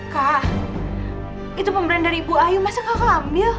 kak itu pemberian dari ibu ayu masa kak ambil